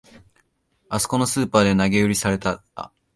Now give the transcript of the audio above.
あそこのスーパーで投げ売りされてた